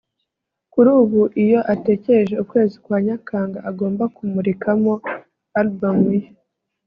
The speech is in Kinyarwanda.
kuri ubu iyo atekereje ukwezi kwa Nyakanga agomba kumurikamo album ye